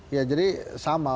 ya jadi sama